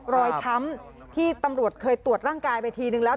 ช้ำที่ตำรวจเคยตรวจร่างกายไปทีนึงแล้ว